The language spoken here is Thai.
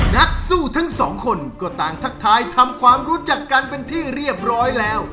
นักสู้ทั้งสองคนก็ต่างทักทายทำความรู้จักกันเป็นที่เรียบร้อยแล้ว